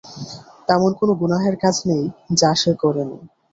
এমন কোন গুনাহের কাজ নেই যা সে করেনি।